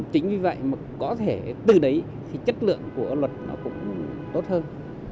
chính vì vậy mà có thể từ đấy thì chất lượng của luật nó cũng tốt hơn